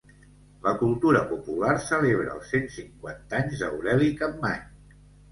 La cultura popular celebra els cent cinquanta anys d'Aureli Campmany.